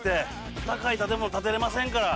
高い建物建てられませんから。